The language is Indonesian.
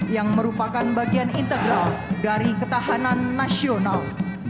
yang merupakan bagian integral dari ketahanan nasional